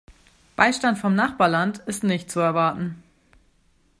Beistand vom Nachbarland ist nicht zu erwarten.